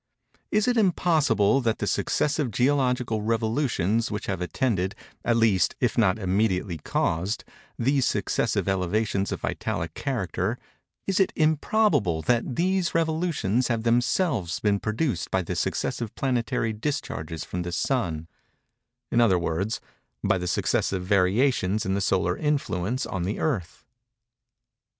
Is it impossible that the successive geological revolutions which have attended, at least, if not immediately caused, these successive elevations of vitalic character—is it improbable that these revolutions have themselves been produced by the successive planetary discharges from the Sun—in other words, by the successive variations in the solar influence on the Earth?